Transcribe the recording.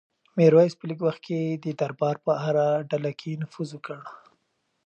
میرویس په لږ وخت کې د دربار په هره ډله کې نفوذ وکړ.